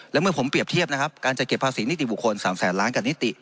และเมื่อผมเปรียบเทียบนะครับการจัดเก็บภาษีนิติบุคคล๓แสนล้านกับนิติ